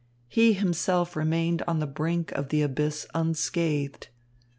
He himself remained on the brink of the abyss unscathed.